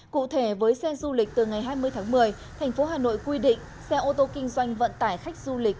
cụ thể với xe du lịch từ ngày hai mươi tháng một mươi tp hà nội quy định xe ô tô kinh doanh vận tải khách du lịch